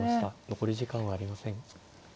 残り時間はありません。